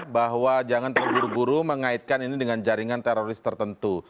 bahwa jangan terburu buru mengaitkan ini dengan jaringan teroris tertentu